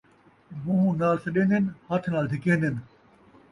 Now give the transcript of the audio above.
مون٘ہہ نال سݙین٘دن ، ہتھ نال دھکین٘دن